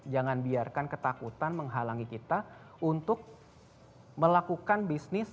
jangan biarkan ketakutan menghalangi kita untuk melakukan bisnis